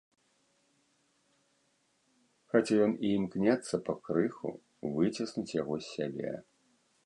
Хаця ён і імкнецца пакрыху выціснуць яго з сябе.